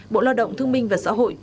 bộ lo động thương minh và xã hội